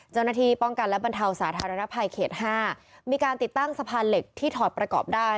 เจ้าหน้าที่ป้องกันและบรรเทาสาธารณภัยเขต๕มีการติดตั้งสะพานเหล็กที่ถอดประกอบได้